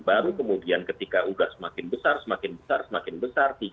baru kemudian ketika sudah semakin besar semakin besar semakin besar